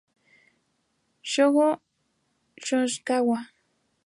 Shogo Yoshikawa